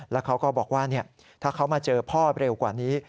แล้วเขาก็บอกว่าถ้าเขามาเจอพ่อเร็วกว่านี้